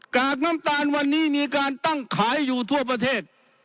กากน้ำตาลวันนี้มีการตั้งขายอยู่ทั่วประเทศ